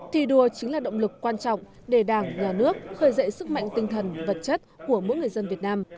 thi đua chính là động lực quan trọng để đảng nhà nước khởi dậy sức mạnh tinh thần vật chất của mỗi người dân việt nam